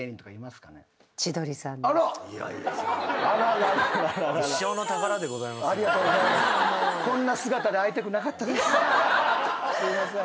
すいません。